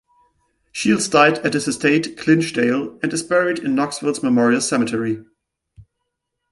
Shields died at his estate "Clinchdale" and is buried in Knoxville's Memorial Cemetery.